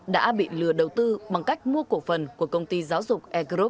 đã bị lừa đầu tư bằng cách mua cổ phần của công ty giáo dục e group